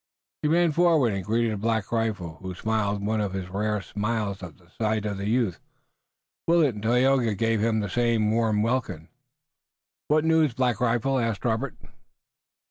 He ran forward and greeted Black Rifle, who smiled one of his rare smiles at sight of the youth. Willet and Tayoga gave him the same warm welcome. "What news, Black Rifle?" asked Robert.